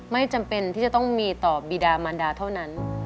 ไม่จำเป็นที่จะต้องมีต่อบีดามันดาเท่านั้น